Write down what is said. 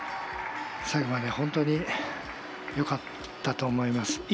最後まで本当によかったと思います。